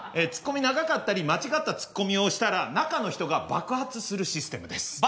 ツッコミ長かったり間違ったツッコミをしたら中の人が爆発するシステムです。